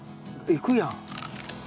いくやん。